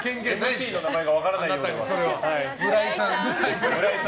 ＭＣの名前が分からないようでは。